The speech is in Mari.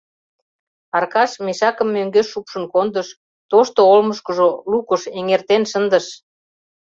Аркаш мешакым мӧҥгеш шупшын кондыш, тошто олмышкыжо, лукыш, эҥертен шындыш.